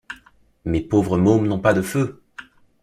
Mes pauvres mômes n’ont pas de feu!